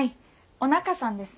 お仲さんです。